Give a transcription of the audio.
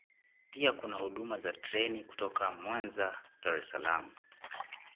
Pia kuna huduma za treni kutoka Mwanza na Dar es Salaam